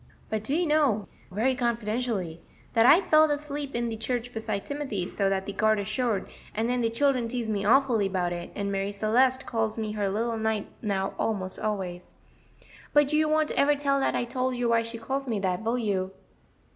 But do you know," very confidentially, "dat I felled asleep in de church beside Timothy, so dat de garter showed, and den de children teased me awfully 'bout it, and Marie Celeste calls me her little knight now almost always. But you won't ever tell dat I told you why she calls me dat, will you?"